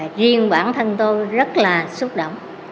thì riêng bản thân tôi rất là xúc động